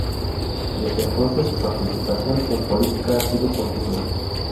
Desde entonces su participación en política ha sido continua.